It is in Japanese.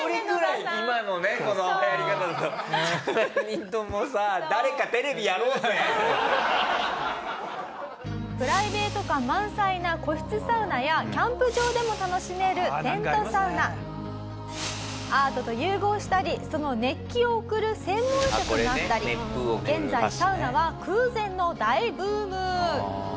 ３人ともさプライベート感満載な個室サウナやキャンプ場でも楽しめるテントサウナアートと融合したりその熱気を送る専門職があったり現在サウナは空前の大ブーム。